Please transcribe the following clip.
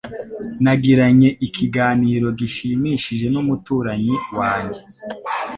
Nagiranye ikiganiro gishimishije n'umuturanyi wanjye.